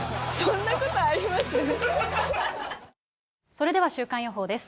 それでは週間予報です。